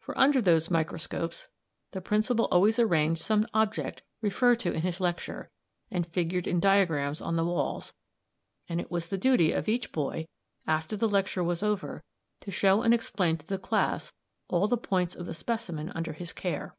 For under those microscopes the Principal always arranged some object referred to in his lecture and figured in diagrams on the walls, and it was the duty of each boy, after the lecture was over, to show and explain to the class all the points of the specimen under his care.